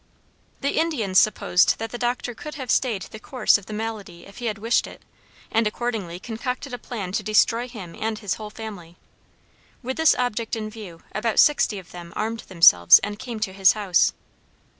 The Indians supposed that the doctor could have stayed the course of the malady if he had wished it, and accordingly concocted a plan to destroy him and his whole family. With this object in view about sixty of them armed themselves and came to his house.